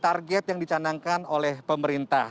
target yang dicanangkan oleh pemerintah